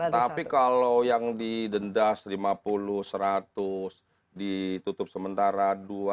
tapi kalau yang didendas lima puluh seratus ditutup sementara